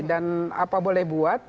dan apa boleh buat